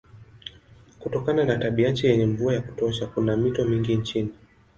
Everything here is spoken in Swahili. Kutokana na tabianchi yenye mvua ya kutosha kuna mito mingi nchini.